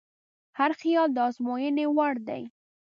هر خیال د ازموینې وړ دی.